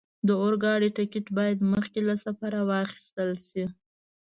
د اورګاډي ټکټ باید مخکې له سفره واخستل شي.